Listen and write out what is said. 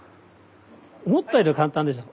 思ったよりは簡単でしょ？